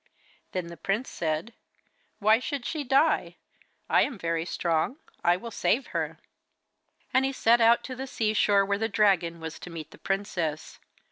Then the prince said: 'Why should she die? I am very strong, I will save her.' And he set out to the sea shore, where the dragon was to meet the princess.